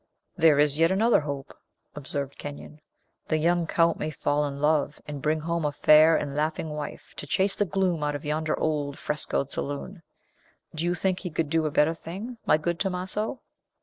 "There is yet another hope," observed Kenyon; "the young Count may fall in love, and bring home a fair and laughing wife to chase the gloom out of yonder old frescoed saloon. Do you think he could do a better thing, my good Tomaso?"